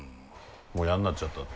もう嫌になっちゃったって。